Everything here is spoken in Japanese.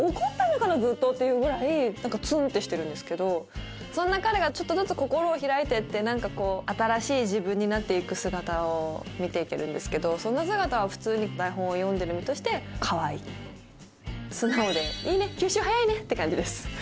ずっとっていうぐらいツンてしてるんですけどそんな彼がちょっとずつ心を開いていって何か新しい自分になっていく姿を見ていけるんですけどそんな姿は普通に台本を読んでる身としてかわいい吸収早いねって感じです